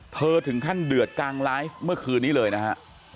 ถึงขั้นเดือดกลางไลฟ์เมื่อคืนนี้เลยนะฮะ